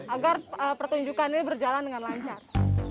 agar pertunjukan ini berjalan dengan lancar